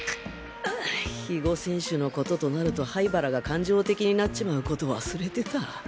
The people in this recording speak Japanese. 比護選手のこととなると灰原が感情的になっちまうこと忘れてた